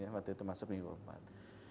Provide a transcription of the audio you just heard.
waktu itu masuk minggu keempat